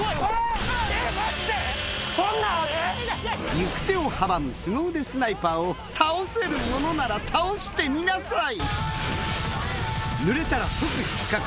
行く手を阻むすご腕スナイパーを倒せるものなら倒してみなさい。